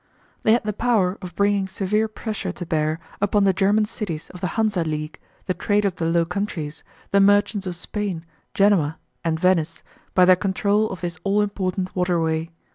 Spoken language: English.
They had the power of bringing severe pressure to bear upon the German cities of the Hansa League, the traders of the Low Countries, the merchants of Spain, Genoa, and Venice, by their control of this all important waterway.